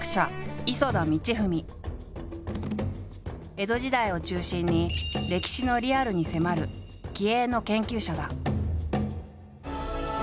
江戸時代を中心に歴史のリアルに迫る気鋭の研究者だ。